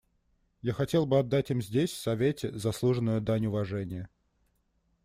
Я хотел бы отдать им здесь, в Совете, заслуженную дань уважения.